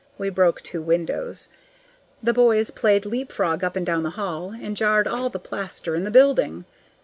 (We broke two windows.) The boys played leapfrog up and down the hall, and jarred all the plaster in the building.